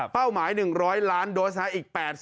เป้าหมาย๑๐๐ล้านโดสนะครับ